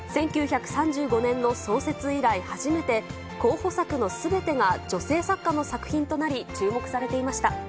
１９３５年の創設以来初めて候補作のすべてが女性作家の作品となり、注目されていました。